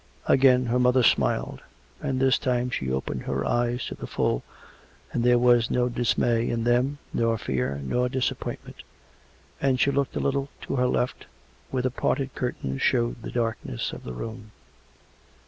Again her mother smiled — and this time she opened her eyes to the full, and there was no dismay in them, nor fear, nor disappointment; and she looked a little to her left, where the parted curtains showed the darkness of the room.